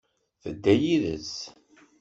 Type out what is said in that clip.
Tedda yides.